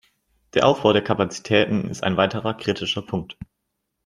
Der Aufbau der Kapazitäten ist ein weiterer kritischer Punkt.